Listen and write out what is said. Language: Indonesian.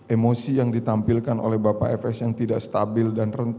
emosi yang ditampilkan oleh bapak fs yang tidak stabil dan rentan